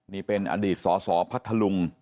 นี่เป็นอดีตสสพัทธลุง